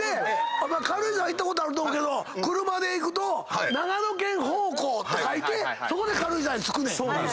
軽井沢行ったことあると思うけど車で行くと長野県方向って書いてそこで軽井沢に着くねん。